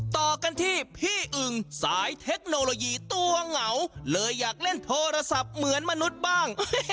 ต่อกันที่พี่อึงสายเทคโนโลยีตัวเหงาเลยอยากเล่นโทรศัพท์เหมือนมนุษย์บ้าง